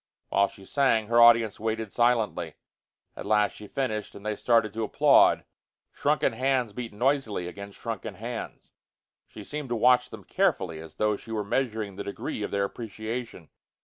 While she sang, her audience waited silently. At last she finished, and they started to applaud. Shrunken hands beat noisily against shrunken hands. She seemed to watch them carefully, as though she were measuring the degree of their appreciation.